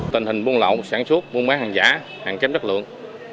tình hình buôn lậu sản xuất buôn bán hàng giả hàng chém đất lượng